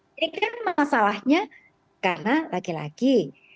ini kan masalahnya karena laki laki